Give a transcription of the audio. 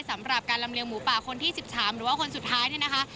สำหรับการลำเลียงหมูป่าคนที่๑๓หรือว่าคนสุดท้ายเนี่ยนะคะ